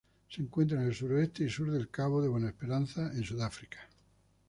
Se encuentra en el suroeste y sur del Cabo de Buena Esperanza en Sudáfrica.